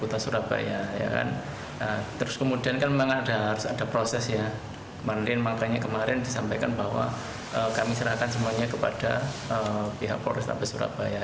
terus kemudian kan memang harus ada proses ya kemarin makanya kemarin disampaikan bahwa kami serahkan semuanya kepada pihak polrestabes surabaya